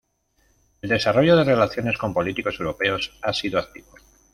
El desarrollo de relaciones con políticos europeos ha sido activo.